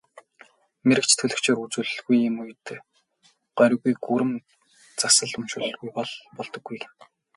Мэргэч төлгөчөөр үзүүлэлгүй бол ийм үед горьгүй, гүрэм засал уншуулалгүй бол болдоггүй гэнэ.